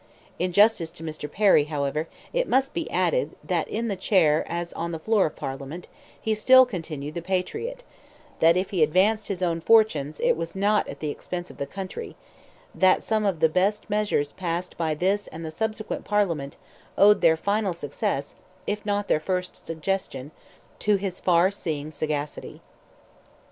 In justice to Mr, Perry, however, it must be added, that in the chair as on the floor of Parliament, he still continued the patriot—that if he advanced his own fortunes, it was not at the expense of the country—that some of the best measures passed by this and the subsequent Parliament, owed their final success, if not their first suggestion, to his far seeing sagacity.